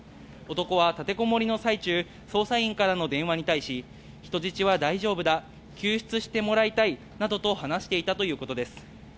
男は立てこもりの最中、捜査員からの電話に対し、人質は大丈夫だ、救出してもらいたい、などと話していたということです。